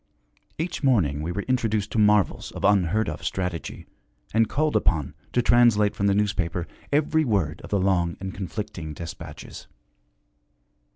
Each morning we were introduced to marvels of unheard of strategy, and called upon to translate from the newspaper every word of the long and conflicting dispatches.